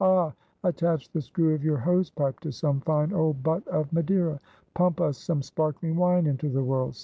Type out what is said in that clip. Ah! attach the screw of your hose pipe to some fine old butt of Madeira! pump us some sparkling wine into the world!